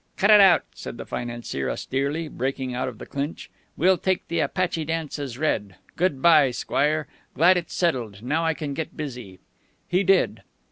"Cut it out," said the financier austerely, breaking out of the clinch. "We'll take the Apache Dance as read. Good by, Squire. Glad it's settled. Now I can get busy." He did.